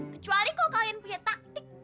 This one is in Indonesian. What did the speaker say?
kecuali kok kalian punya taktik